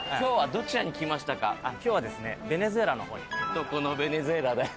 どこのベネズエラだよ。